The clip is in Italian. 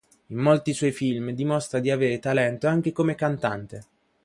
In molti suoi film dimostra di avere talento anche come cantante.